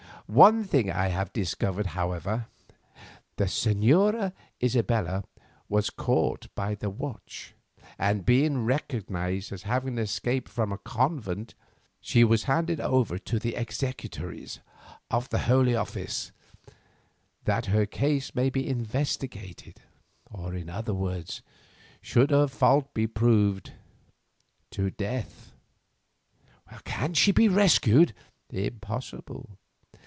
One thing I have discovered, however. The Señora Isabella was caught by the watch, and being recognised as having escaped from a convent, she was handed over to the executories of the Holy Office, that her case may be investigated, or in other words, should her fault be proved, to death." "Can she be rescued?" "Impossible.